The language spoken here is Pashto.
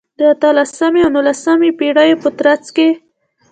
د اتلسمې او نولسمې پېړیو په ترڅ کې.